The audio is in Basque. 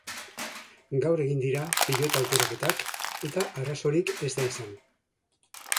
Gaur egin dira pilota aukeraketak eta arazorik ez da izan.